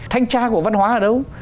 thanh tra của văn hóa ở đâu